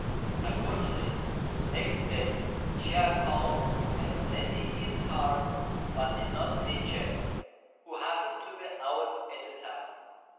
Accordingly, next day Chia called and sent in his card, but did not see Chên, who happened to be out at the time.